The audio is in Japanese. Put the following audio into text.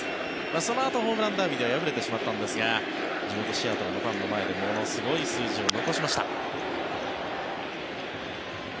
そのあとホームランダービーでは敗れてしまったんですが地元シアトルのファンの前でものすごい数字を残しました。